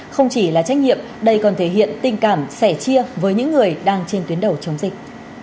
không chỉ là trách nhiệm đây còn thể hiện tình cảm sẻ chia với những người đang trên tuyến đầu chống dịch